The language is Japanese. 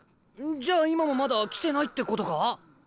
じゃあ今もまだ来てないってことか？